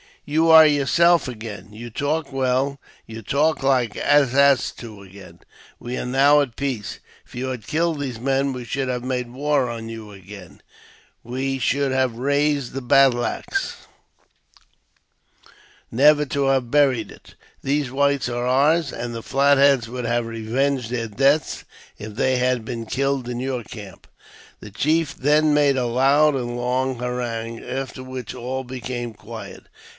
you are yourself again; you talk well; you talk like ^s as to again. We are now at peace ; if you had killed these men, we should have made war on you again; we should have raised the battle axe, never to have buried it. These whites are ours, and the Flat Heads would have revenged their deaths if they had been killed in your camp." The chief then made a loud and long harangue, after which all became quiet.